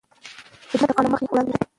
خدمت د قانون له مخې وړاندې کېږي.